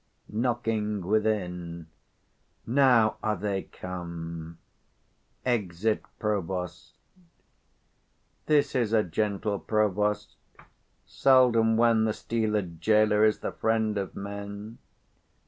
[Knocking within. Now are they come. [Exit Provost. This is a gentle provost: seldom when The steeled gaoler is the friend of men.